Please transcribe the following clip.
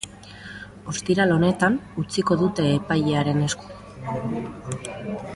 Ostiral honetan utziko dute epailearen esku.